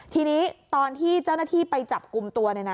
ทีนี้ตอนที่เจ้าหน้าที่ไปจับกลุ่มตัว